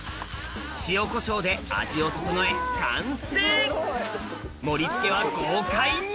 塩こしょうで味を調え完成盛り付けは豪快に！